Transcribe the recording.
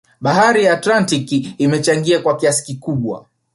Bahari ya Atlantiki imechangia kwa kiasi kikubwa